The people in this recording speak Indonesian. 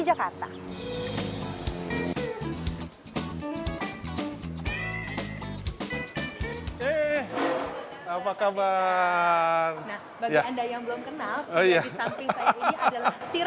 jadi sudah jadi suhunya bakmi